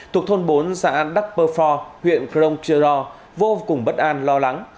thuộc thôn bốn xã đắk pơ phò huyện kronk chê rò vô cùng bất an lo lắng